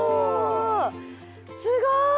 すごい！